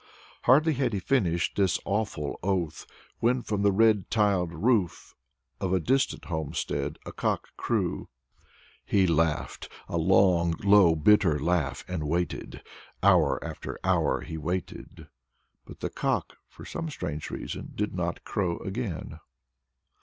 Hardly had he finished this awful oath when, from the red tiled roof of a distant homestead, a cock crew. He laughed a long, low, bitter laugh, and waited. Hour after hour he waited, but the cock, for some strange reason, did not crow again.